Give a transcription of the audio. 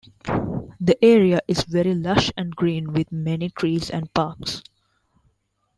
The area is very lush and green with many trees and parks.